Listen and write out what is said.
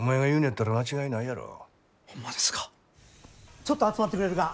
ちょっと集まってくれるか。